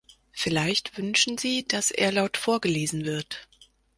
Vielleicht wünschen Sie, dass er laut vorgelesen wird.